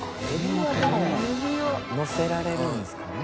向井）のせられるんですかね？